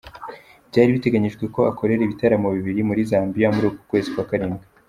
Byari biteganyijwe ko akorera ibitaramo bibiri muri Zambia muri uku kwezi kwa karindwi.